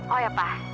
oh ya pak